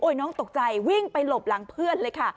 น้องตกใจวิ่งไปหลบหลังเพื่อนเลยค่ะ